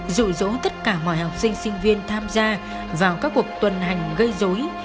rụ rỗ tất cả mọi học sinh sinh viên tham gia vào các cuộc tuần hành gây dối